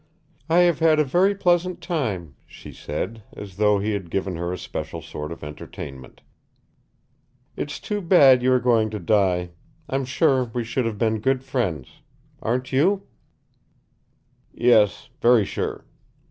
"I have had a very pleasant time," she said, as though he had given her a special sort of entertainment. "It's too bad you are going to die. I'm sure we should have been good friends. Aren't you?" "Yes, very sure.